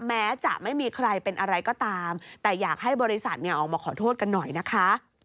แม้จะไม่มีใครเป็นอะไรก็ตามแต่อยากให้บริษัทออกมาขอโทษกันหน่อยนะคะ